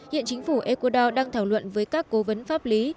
hiện chính phủ ecuador đang thảo luận với các cố vấn pháp lý